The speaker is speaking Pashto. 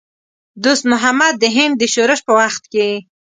دوست محمد د هند د شورش په وخت کې.